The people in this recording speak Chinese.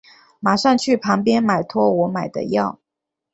马上去旁边买托我买的药